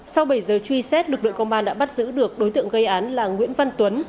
sau bảy giờ truy xét lực lượng công an đã bắt giữ được đối tượng gây án là nguyễn văn tuấn